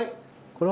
これ。